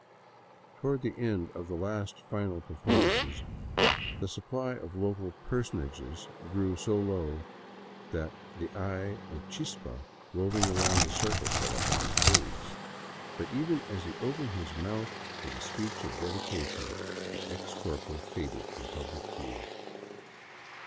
Toward the end of the '* last final per formances " the supply of local *' personages " grew so low that the eye of '* Chispa," roving around the circle, fell upon Hays ; but even as he opened his mouth for the speech of dedication, the ex corporal faded from public view.